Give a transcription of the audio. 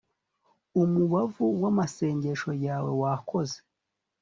umubavu w'amasengesho yawe wakoze